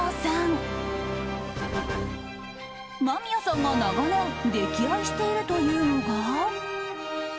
［間宮さんが長年溺愛しているというのが］